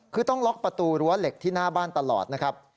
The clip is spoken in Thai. คือต้องล็อกประตูรั้วเหล็กที่หน้าบ้านตลอดนะครับ